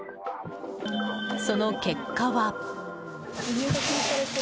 その結果は。